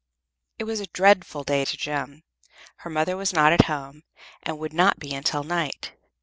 It was a dreadful day to Jem. Her mother was not at home, and would not be until night.